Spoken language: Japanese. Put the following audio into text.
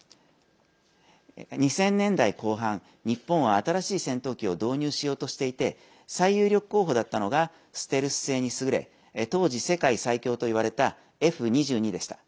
２０００年代後半日本は新しい戦闘機を導入しようとしていて最有力候補だったのがステルス性に優れ、当時世界最強といわれたＦ２２でした。